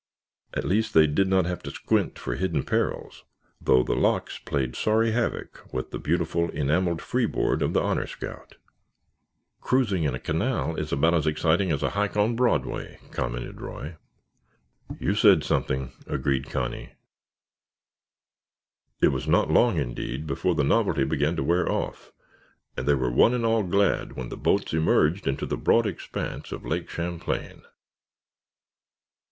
At least, they did not have to "squint" for hidden perils, though the locks played sorry havoc with the beautiful enameled freeboard of the Honor Scout. "Cruising in a canal is about as exciting as a hike on Broadway," commented Roy. "You said something," agreed Connie. It was not long, indeed, before the novelty began to wear off, and they were one and all glad when the boats emerged into the broad expanse of Lake Champlain.